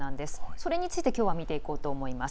それについてきょうは見ていこうと思います。